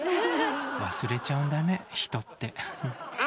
忘れちゃうんだね人って。